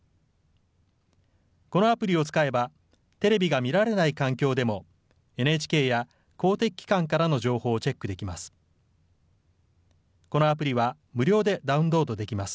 このアプリを使えば、テレビが見られない環境でもＮＨＫや公的機関からの情報をチェックできます。